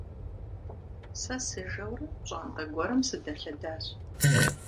Сэ сыжэурэ пщӏантӏэ гуэрым сыдэлъэдащ.